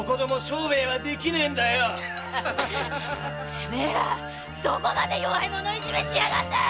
てめえらどこまで弱い者いじめをしやがるんだい！